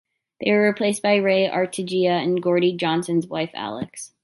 They were replaced by Ray Arteaga and Gordie Johnson's wife Alex.